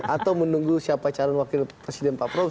atau menunggu siapa calon wakil presiden pak prabowo